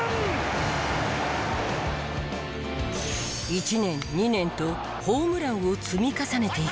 １年２年とホームランを積み重ねていく。